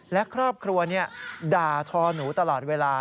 และครอบครัวด่าทอหนูตลอดเวลา